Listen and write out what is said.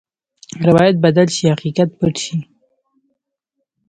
روایت بدل شي، حقیقت پټ شي.